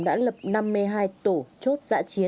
đã lập năm mươi hai tổ chốt